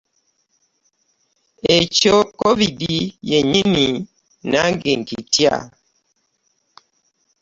Ekyo COVID yennyini nange nkitya.